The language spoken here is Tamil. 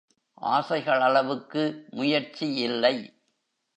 ஆசைகள் அளவுக்கு முயற்சி இல்லை.